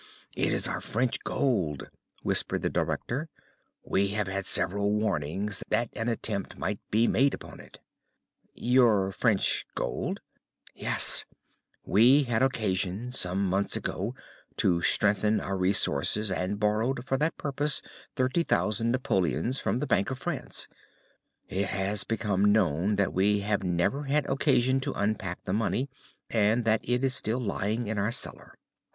"It is our French gold," whispered the director. "We have had several warnings that an attempt might be made upon it." "Your French gold?" "Yes. We had occasion some months ago to strengthen our resources and borrowed for that purpose 30,000 napoleons from the Bank of France. It has become known that we have never had occasion to unpack the money, and that it is still lying in our cellar.